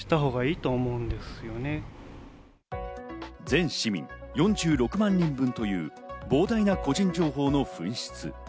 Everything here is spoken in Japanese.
全市民４６万人分という膨大な個人情報の紛失。